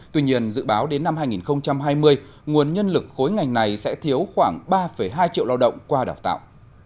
tuy nhiên dự báo đến năm hai nghìn hai mươi nguồn nhân lực khối ngành này sẽ thiếu khoảng ba hai triệu lao động qua đào tạo